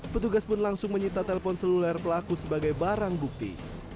petugas pun langsung menyita telpon seluler pelaku sebagai barang bukti